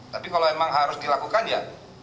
tapi kalau memang harus dilakukan ya